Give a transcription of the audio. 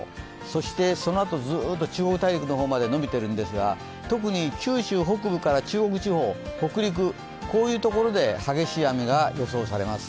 そして、そのあとずっと中国大陸の方までのびているんですが、特に九州北部から中国地方、北陸、こういうところで激しい雨が予想されます。